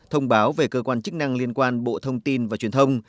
thông báo về cơ quan chức năng liên quan bộ thông tin và truyền thông